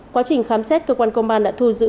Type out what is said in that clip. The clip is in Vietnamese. quá trình khám xét cơ quan công an đã thu giữ